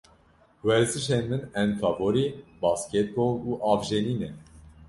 Werzişên min ên favorî basketbol û avjenî ne.